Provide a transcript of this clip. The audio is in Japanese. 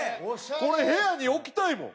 これ部屋に置きたいもん。